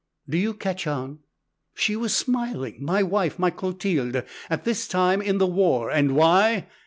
"Do you catch on? She was smiling, my wife, my Clotilde, at this time in the war! And why?